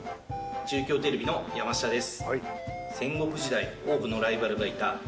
中京テレビの山下です。